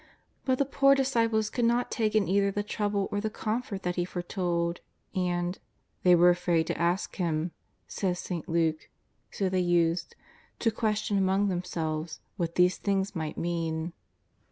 But the poor disciples could not take in either the trouble or the comfort that He foretold : and " they were afraid to ask Him," says St. Luke, so they used " to question among themselves what these things might mean."